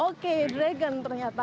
oke dragon ternyata